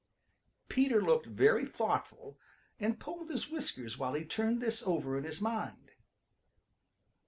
Peter looked very thoughtful and pulled his whiskers while he turned this over in his mind.